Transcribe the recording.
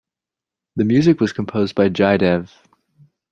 The music was composed by Jaidev.